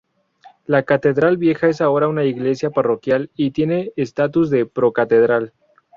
La Catedral Vieja es ahora una iglesia parroquial, y tiene estatus de pro-Catedral.